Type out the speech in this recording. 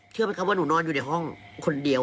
เชื่อมันคราวว่าหนูนอนอยู่ชอบของคนเดียว